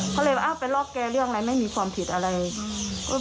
เขาเลยว่าเอาไปล็อกแกเรื่องอะไรไม่มีความชอบ